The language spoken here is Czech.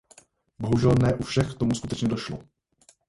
Bohužel ne u všech k tomu skutečně došlo.